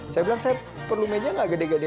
saya bilang saya perlu meja gak gede gede